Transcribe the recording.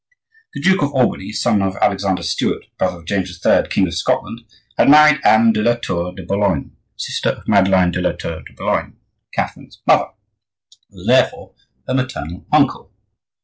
The Duke of Albany, son of Alexander Stuart, brother of James III., king of Scotland, had married Anne de la Tour de Boulogne, sister of Madeleine de la Tour de Boulogne, Catherine's mother; he was therefore her maternal uncle.